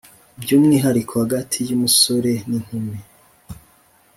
by’umwihariko hagati y’umusore n’inkumi.